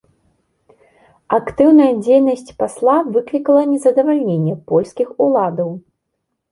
Актыўная дзейнасць пасла выклікала незадавальненне польскіх уладаў.